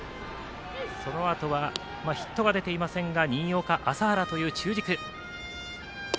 そのあとはヒットが出ていませんが新岡、麻原という中軸。